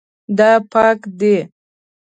دا پاک دی